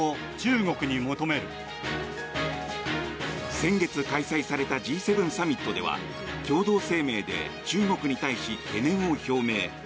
先月開催されたＧ７サミットでは共同声明で中国に対し懸念を表明。